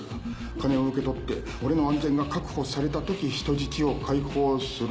金を受け取って俺の安全が確保されたとき人質を解放する。